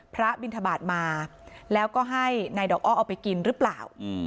บินทบาทมาแล้วก็ให้นายดอกอ้อเอาไปกินหรือเปล่า